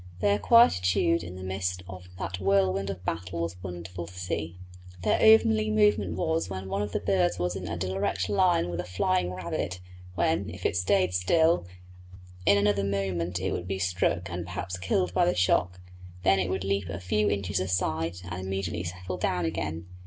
Their quietude in the midst of that whirlwind of battle was wonderful to see. Their only movement was when one of the birds was in a direct line with a flying rabbit, when, if it stayed still, in another moment it would be struck and perhaps killed by the shock; then it would leap a few inches aside and immediately settle down again.